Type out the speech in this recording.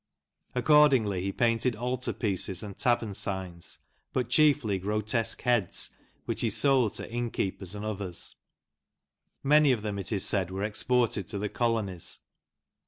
Accordingly, he painted altar pieces and tavern signs, but chiefly grotesque heads, which he sold to innkeepers and others. Many of them, it is said, were exported to the colonies.